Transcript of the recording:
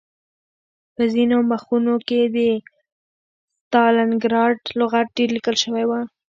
په ځینو مخونو کې د ستالنګراډ لغت ډېر لیکل شوی و